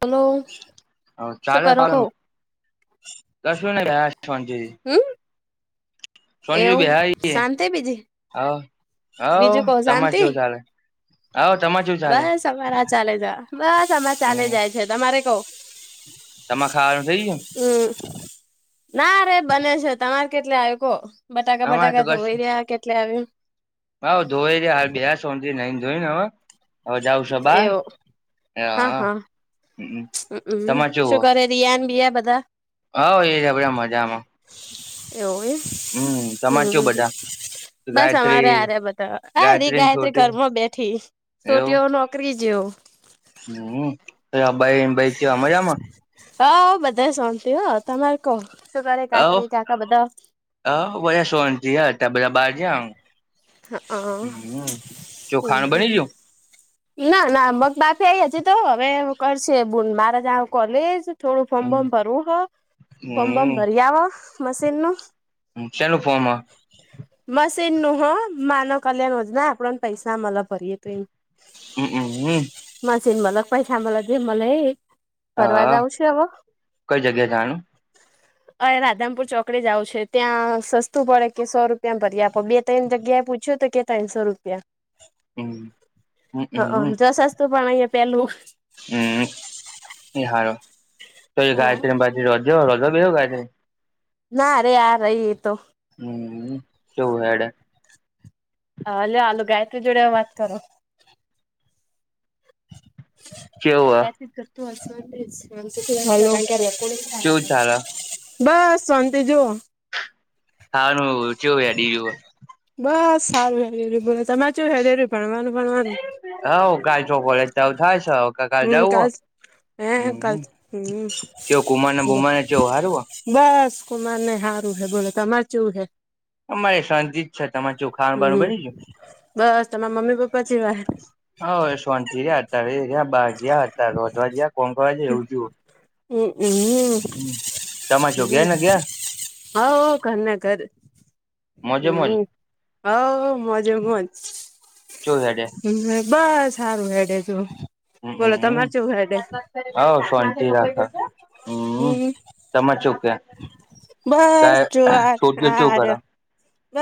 Hello. અવ ચાલે હારું કશું નહી લ્યા શોન્તીરી. હમ! શોન્તીહી એવું બેહાય એકે શાંતિ બીજી હવ હવ બીજું કહો તમાર શાંતિ ચેવું ચાલ. હવ તમાર ચેવું બસ અમારા ચાલે જ બસ અમારે ચાલે હમ જાય છે તમારે કવ. તમા ખાવાનું થઈ ગ્યું. હમ ના રે બને છે તમારે કેટલે આયુ કો. બટાકા અમારે તો બટાકા ધોવઈ કશું રયા કેટલે આવ્યું. હવ ધોવઈ રયા હાલ બેહયા શોન્તી હી નઈંન ધોઈન અવ. એવો હા હા. હમ તમાર હંક શું ચેવું કરે રિયાન બીયા બધા. હવ એ રયા બધા મજામાં એવું એમ હમ તમાર ચેવું બધા. હમ બસ અમારે ગાયત્રી આરેયા બધા આયરી ગાયત્રીન ગાયત્રી છોટી ઘરમાં બેઠી. એવું છોટીઓ નોકરી જ્યો. હમ પેલા બઈન બઈ ચેવા મજામ. હવ બધા શોન્તી હો તમારે કો શું કરે કાકી કાકા બધા. હ ઓય શોન્તી ત બધા બાર જયાહ. હ હમ ચોખાનું બની જ્યું. ના ના મગ બાફી આઈ હજી તો હવે કરશે બુન માર જાવુ કોલેજ. થોડું ફોર્મ હમ બોર્મ ભરવું હ ફોર્મ બોમ હમ ભર્યા હ મશીન નું. હ શેનું ફોમ હ. મશીન નું હ માનવ કલ્યાણ યોજના આપણાંન પૈસા મલ ભરીએ તો એ. હમક હમ. મશીન મલ પૈસા મલ જે મલ એ ભરવા હા જાઉં છે હવ. કઈ જગ્યા જાનું ઓય રાધનપુર ચોકડીે જાવ છે ત્યાં સસ્તું પડે કે સો રૂપ તેમ ભરી આપ બે તૈન જગ્યાએ પૂછ્યું તો કે તૈનશો રૂપિયા. હમ હમ હક જો સસ્તું પણ ઈય પેલું. હમ એ સારૂ તોયે હા ગાયત્રીન બાજુ રોધજો રોધવા બેહો ગાયત્રી. ના અરે આ રહી એ તો. હમ ચેવું હેડે. હ હ લ્યો આલુ ગાયત્રી જોડે વાત કરો. કેવું હ ક્યાંથી થતું હશે જ. કેવું ચાલે [unintelligible] [unintelligible] બસ શોન્તી જોવો. ખાવાનું ચેવું હેડી રયુ હ. બસ સારું હેરેરું બોલો તમારે ચેવું હેરેર્યું ભણવાનું ભણવાનું. હવ ગાયજો કોલેજ ચાલુ થાય સ. કકા હમ જાવ કાલ હે કાલ હમ હમ ચવ કુમાને બુમાને ચવ હારવો બસ કુમારને હારું હૈ બોલો ત માચું હૈ. હ અમારે શાંતિ જ છે તમારે ચેવું ખાવાનું બાનું હમ બની ગયું બસ તમારા મમ્મી પપ્પા જેવાય હ શાંતિ રહ્યા હતા ર ર્યા બાાગ્યા હતા ત રજવા જયા કોણ કરવા જે હવું હમ હ, હમ તમા જોો ગયા ને ગયા હ ઘરના ઘર, મોજે મોજ હમ હ મજે મજ જોો સાડે બસ સારું હેડે તું બોલો તમાર શવું હેડે હ ફોનથી રાખો હમ તમાર છું કે? બસ ગાય જુવાર છોકરીઓ શું હાર કરે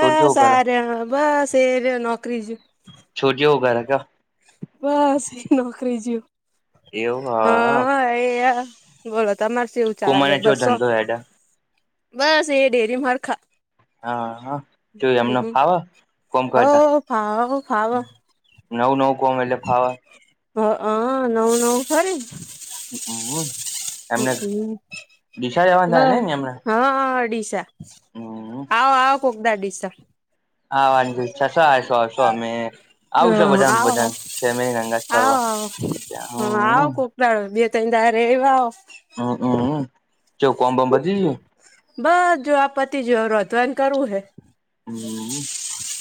છોકરીઓ હું કરે આ રહ્યા બસ એ ર નોકરી જ. છોટીઓ ઘર ક? બસ એ નોકરી જું હા એયા બોલો તમારે એવું ચાલે કુમારને ચો બસો ધંધો હેડે બસ એ ડેરી માર ખા હા હ જો એમને ફાવ કોમકટ હવ ફાવો ફાવો નવ નવ કોમ એટલે ફાવ હ, હ નવ નવ ખરી હમ એમને હમ, હમ ડીસા જવાના થાય બ ને એમને હા ઓડીશા હમ આવ આવકગદા દસા આ વાંધછશો આશું આવશું અમે આવશો હમ બધા આવો આવો બધા ફેમ ગંગા ફરવા આવો હા આવો હમ કોક બે તોઈ અ ર વાવ હમ, હમ ચ કોમ બંબતી બસ જો આપ પતિ જોરો તો એમ કરવું હૈ. હમ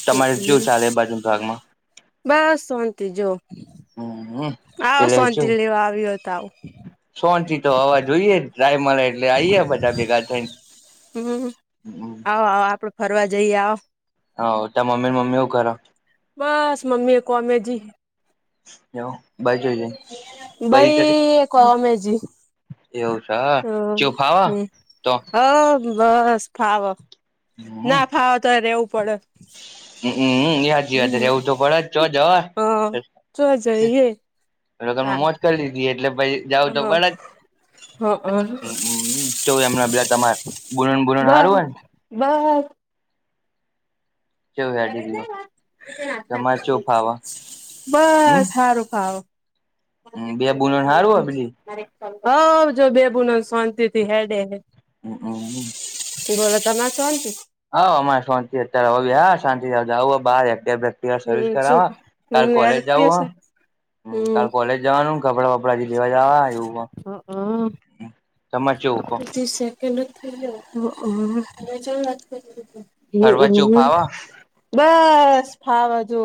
તમારે જોવ ચાલે બાજુ ભાગમાં બસ શોંતિ જો હમ. આવો એટલે શોંતિ શું લેવા આવ્યો તો આવું સોનથી તો હવા જોઈએ રાયમા એટલે આઈએ બધા ભેગા થઈને હમ હમ. આવો આવો આપડે ફરવા જઈએ આવ હ તાર મમ્મી ને મમ્મી હું કરે? બસ મ્મી એક કોમે જ. હવું ભઈ કમ આવીજી એવશ હ, હ, હ બસ ફાવ હમ ના ફાવો તો રેવું પડે હમ યાદ યાદ હમ રહેવું તો પડે જ ચો જવા હા ચો જઈએ એ તા મોત કરી દીધી એટલે પછી જાઉ તો પણ જ હ હ તો એમના પેલા તમારે બુલણ બુલણ હારવું હોય ને વાહ ચેવું હેડી રહ્યું તમારે ચેવું ફાવે બસ સારું ખાવ. હ બે બુલણ હાર હો બલી હ જો બેબુન શાંતિ થી હેડે હે. ઓ હ બલોત ના શહચ હા અમારે શાંતિ અત્યારે હા શાંતિ આવ બાર સર્વિસ હમ શું કરાવવા કાલ હમ યાર કોલેજ કેસ જવું હ હ હમ કાલ કોલેજ જવાનું? કપડા વપડાજી લેવા જવા એવું સમજવું કહ કેમ. ફરવા ચેવું ફાવ [unintelligible] બસ, ફાવ જો.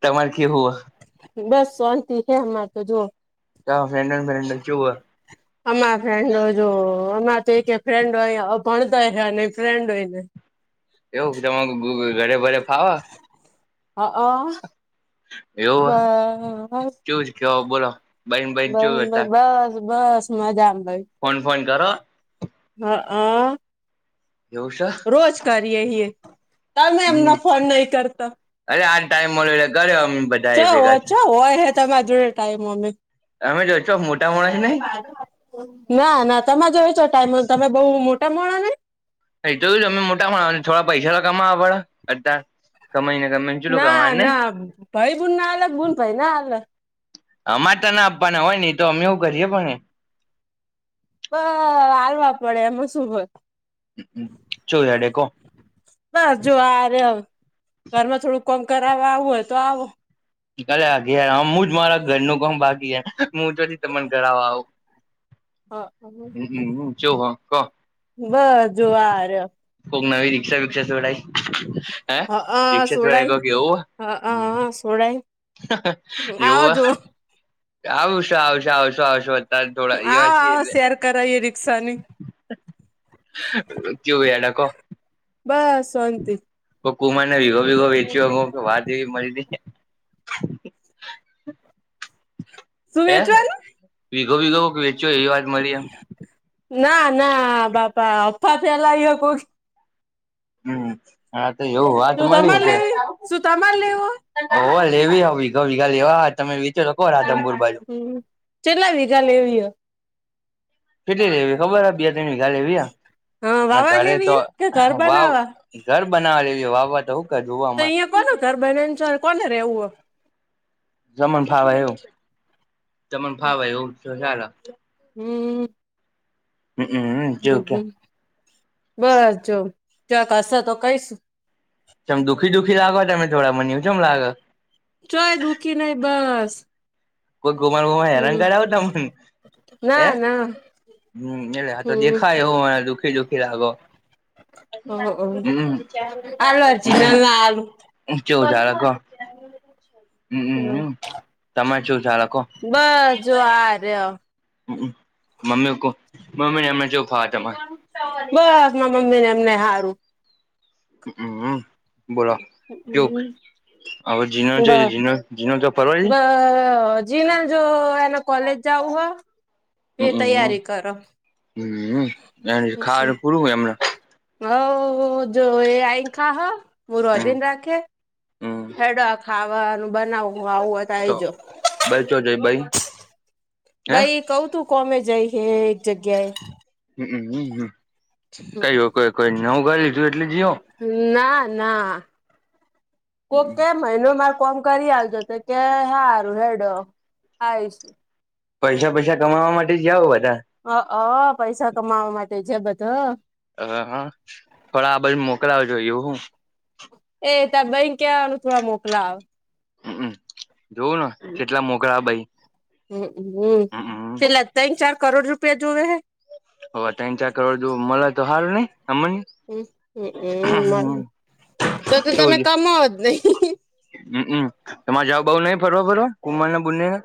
તમાર કેવુ હ? બસ સોંતિ છેે અમાર તો, જો! તમાર ફ્રેન્ડો ને ફ્રેન્ડો ને ચેવુ હ? અમારા ફ્રેન્ડો જો, અમારા તો એકે ફ્રેન્ડો અ ભણતા જ ફ્રેન્ડો ય નથી. એવું તમાર [unintelligible] ઘરે બરે ફાવ? હઆં [inaudible] બ હ, ચેવું છે કેવો બોલો બઈન બઈન ચેવું હતા [inaudible] બસ બસ મજા આમ ભાઈ, ફોન ફોન કરો હ હ એવું સ રોજ કરીએ હિએ, તમે એમન ફોન નહી કરતા! અરે આ ટાઈમ મળ્યો એટલે કર્યો અમે [unintelligible] ચ બધા એ હો, ભેગા ચો હોય હ? તમે જોડે ટાઈમ ઓમે, તમે જો છો, મોટા માણસ [unintelligible] નહીં? ના, ના તમા જોડે ચો ટાઈમ હ, તમે બહુ મોટા માણહ નહીં? અ જોયું તમે મોટા માણહ, થોડા પૈસા તો કમાવા પડે? અતાર? કમાઈને, કમાઈન ચેટલુ ના કમાવાનું, નહીં? ના ભાઈ બુન ના હાલે બુન ભાઈ ના હાલે અમાર તને આપવાના હોય ને! એ તો અમે એવું કરીએે પણ નહીં! બહ, આલવા પડે એમાં સુ હોય? ચુ હેંડે, કો! બસ જો, આ રહ્યા, ઘરમાં થોડું કોમ કરાવ આવું હોય તો આવો. અલ્યા ઘેર, આમ હું જ મારા ઘરનું કામ બાકી છેને, હું ચ્યાથી તમન કરાવા આવું? હા. હમ, ચ્યું હ, કો. બસ જો, આ રયા કોક નવી રિક્ષા બિક્ષા છોડાઇ? હે? હઅ રિક્ષા છોડાઈ સોડાઈ કાક એવું હઅ સોડાઈ હ? આવો એવું હ? જો આવશો, આવશું, આવશો, આવશો, અત્યારે થોડા એવા છી એટલે. કરોએ રિક્ષાની ચેવું હેડે કો બસ, સોંતિ. તો કુમારને વીગો બીગો વેચ્યો કે વાત એવી મલીતી! [inaudible] સુ હે વેચવાનું? વીઘો વીઘો કોક વેચ્યો એવી વાત મળી એમ ના, ના, બાપા અફા ફેલાય હો કોક હમ હા તો એવું [unintelligible] વાત શું મળી તમારે કે લેવી શું તમારે લેવો હોવ, લેવી હ વીઘા ભીઘા લેવા હ, તમે વિત [unintelligible] ચેટલા વિઘા લેવીય? કેટલી લેવી, ખબર હ? બે ત્રણ વઘા લેવીહ હા અને વાવા ઘરે લેવી તો હે કે ઘર વાવ બનાવા ઘર બનાવવા લેવી હ, વાવવા તો હું કરે જોવા તો મ અહિયાં કોનું ઘર બને? ન ચોય કોને રેવુ હ? તમન ફાવે એવું, તમન ફાવે એવું તો ચાલે હમ. હમમમ જો ક્યાં હમ બસ જો, ક્યાંક હસે તો કઈસ. ચ્યમ દુઃખી દુખી લાગો તમે થોડા, મન્યું કેમ લાગ? ચય દુઃખી નહિં, બસ. કોઈ કુમાર વુમાર હેરાન હમ કરે હો તમને? ના હે? ના હમ, એટલે આ તો હમ દેખાય એવું મને દુઃખી દુખી લાગો. હમ [unintelligible] હમ [unintelligible] આલુ જીનલ ના આલુ હમ કેવુ ચાલે કો? હમ હમ હ તમા. બસ જો આ રયો. હ મમ્મી મમ્મીને એમને જેવું ફાવ તમારે. બસ મા મમ્મી ને એમને હારું. હમ બોલો. કેવુંક હવે જીનો છે બસ જીનો તો ફરવા જાય. જીના જો એને કોલેજ જવું હે. હમમ હમ એ ખાર પૂરુંય એમને. હવ જો એ આઈ ખાહ મું હમ હમ રોધીન રાખે હેડ આખ. ખાવાનું બનાવ હું આવું. આઈ તો જો બાઈ ચો જઈ બાઈ હે ભાઈ કવ તું. કોમે જાય હે એક જગ્યાએ. હમ હ કઈ કોઈ કોઈ નવું ઘર લીધું એટલે જીઓ. ના ના. કોક કે મહિનો માર કોમ કરી આલજો તો કે હારું હેડો. આવીશ. પૈસા પૈસા કમાવા માટે જાઓ બધા. અ અ પૈસા કમાવા માટે જે બધા. હ હ પણ આ બાજુ મોકલાવજો એવું હો. એ તારે ભાઈ ને કેવાનું થોડા મોકલાવે. હમ જોવું ને કેટલા મોકલે ભઈ. હમ હમ ચેટલા ત્રણ ચાર કરોડ રૂપિયા જોવે હે. હોવે ત્રણ ચાર કરોડ જો મળે તો હારુ નઈ અમન. હમ તો તું તમે જોજ કમાવો જ નહી. હમમ તમારે જાવું બાવુ નહી ફરવા બરવા કુમાર ને બુંને ને.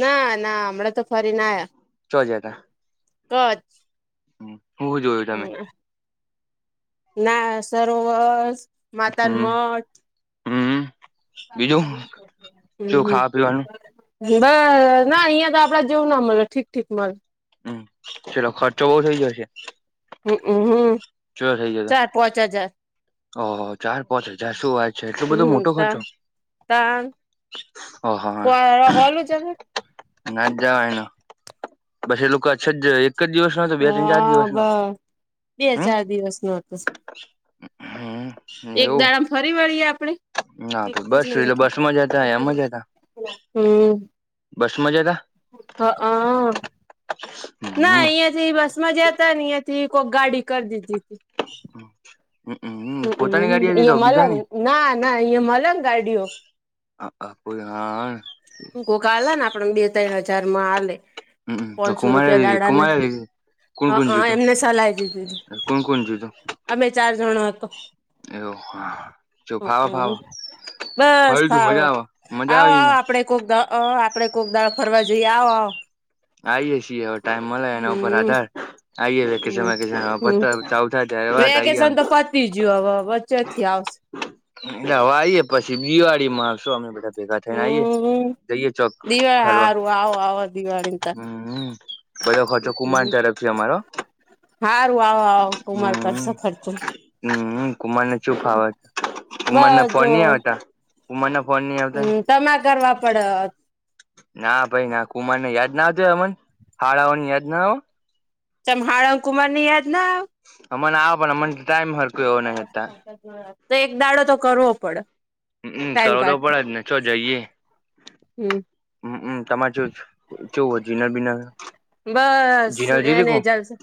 ના ના હમણાં તો ફરી ને આયા. ચ્યો જ્યાં તા. કચ્છ. હું હું જોયું તમે. ના સરોવર હમ માતાના મઢ. હમ બીજું શું ખાવા પીવાનું [unintelligible] બ ના અહીયાં તો આપડા જેવું ના મળે ઠીક ઠીક મલ. હમ ચલો ખર્ચો બહુ થઇ જશે. હમ હમ. ચ્યો થઇ જતા. પોચ હજાર. ઓ હો ચાર પોચ હજાર શું વાત. છે એટલો બધો હમ મોટો તા ખર્ચો તાન ઓહા. હોલું જને ના જ જવાયના. પછી એ લોકો છ એક જ દિવસ નો તો બે ત્રણ ચાર હા બ દિવસનો. બે હમ ચાર દિવસ નો હતો હમ એક એવું દાડમ. ફરી વળીએ આપણે. ના તો બસ જો એ બસમાં જ હતા એ મા જ હતા. હમ. બસ માં જ્યાતા. હઅ. [unintelligible] ના અહિયા થી બસ માં જયાતા ને નયા થી કોક ગાડી કર દીધી તી. [unintelligible] પોતાની હમ ગાડી હતી તો ઇયા મલેને બીજાની ના ના ઈ મલન ગાડીઓ. અ અ [unintelligible] કોકા આલે ને આપડ બે ને ત્રણ હજારમાં આલે તો પોચસો રૂપિયા કુમારે દાડા ના કુમારે લીધી હ કોણ કોણ અ જ્યું એમને સલાય દીધી તું હતી અમે ચાર જણઅ હતો એવો જો ફાવા હમ ફવા બસ ફાવ આવો આવો આપ આવીને આપડે કોક દાળ આપડે કોક દાળ ફરવા જઈએ આવ આવ આઈ છીએ હવે ટાઈમ મલે એના ઉપર હમ આધાર આઈ એ વેકેશન હમ [unintelligible] હમ વાત આમ બીજું હવે વચ્ચે થી આવશે એલે હવે આઈએે પછી દિવાળી માં આવશું બધા ભેગા થઈને આઈએ હમ જઈએ ચોક દિવાળી ફરવા હારું આવો આવો દિવાળી ત હમ્મ બધો ખર્ચો કુમાર હમ તરફ થી અમારો હો હારું આવો આવો કુમાર કરશે હમ ખર્ચો હમ કુમારને ચુ ફાવે કુમાર બસ ના ફોન જો ની આવતા કુમારના ફોન ની આવતા ને તમાર કરવા પડે અ ના ભાઈ ના કુમાર ને યાદ ના આવતી અમારે હાદા ઓ ને યાદ ના આવે ચેમ હાડાઓ કુમાર ને યાદ ના આવે અમને આવે પણ અમને ટાઈમ ન તો એક દાડો તો કરવો પડે હમમ ટાઈમ કરવો તો કાઢ પડે જ ને છો જઈએ હમ હમમ તમારે જો કેવું હ જીન બીના બસ એને જાલશે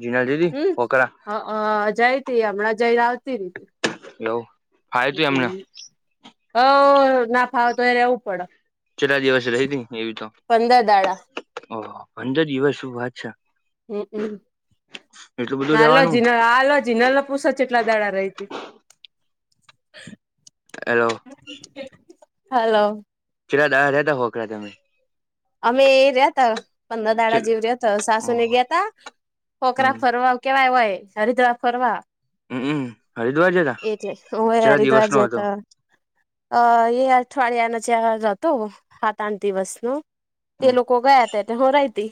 જીનલ જીધી હમ કોકરા હઅ જઈ તી હમણાં જઈને આવતી રી એવું ફાવ્યું તું એમને હમમ ઓહહ ના ફાવો તો એ રહેવું પડે ચરા દિવસ રહી ત એવી તો પંદર દાડા ઓહ પંદર દિવસ શું વાત છે હમ હમ એટલું બધું રેવાનું હાલોજી ના હાલોજી જીનેલ પૂશે કેટલા દાડા રહી તી હેલો હલો કેટલા દાડા રિહાય તા હોકડા તમે અમે એ રિયતા પંદર દાડા ચલ જેવ રહ્યા ત સાસુ ને ઓહો ગયા તા પોકરા હમ ફરવા કેવાય હોય હરિદ્વાર ફરવા હમ હમ. હરિદ્વાર જતા એટલે હું એ કેટલા દિવસ હરિદ્વાર નો હતો જતા અ એ અઠવાડિયા નું ચાર હતું હાથ આઠ દિવસ નું તે હમ લોકોક ગયા હતા એટલે હુ રહતી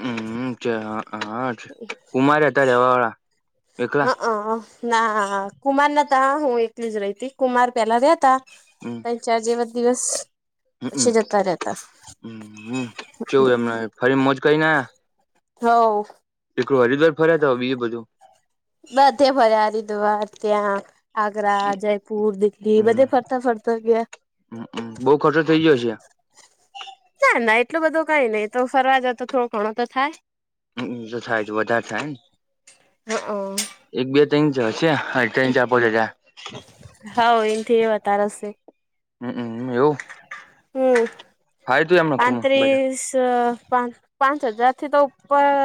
હમ છે હા કુમાર હતા રેવા વાળા હ એકલા અ ના કુમાર નાતા હું એકલી જ રહીતી કુમાર પેલા રિયતા હમ તન ચાર જેવા દિવસ હમ પછી જતા રહેતા હમ કેવું એમને ફરી મોજ કરીને આયા હોવ એકલો હરિદ્વાર ફર્યા હતા કે બીજું બધું બધે ફરીયા હરિદ્વાર ત્યાં આગ્રા જયપુર દિલ્હી હમ બધે ફરતા ફરતા ગયા બઉુ ખર્ચો થઇ ગયો છે ના ના એટલું બધું કઈ નઈ તો ફરવા જાવ તો થોડો ઘણો તો થાય હમ થાય વધારે થાય ને હ અ એક બે ટ્રેન જ છ હ ટ્રેન ચ [unintelligible] બોલિયાં હ હ એથી વધારેશે હમ હ એવુ. હમ એમને ખૂબ બધા પાંત્રીસ પા. પાંચ હજાર થી તો ઉપર.